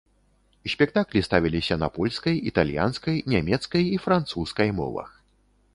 Спектаклі ставіліся на польскай, італьянскай, нямецкай і французскай мовах.